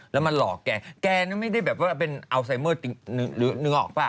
แล้วมาหลอกแกแกน่ะไม่ได้แบบว่าเป็นอัลไซเมอร์นึกออกป่ะ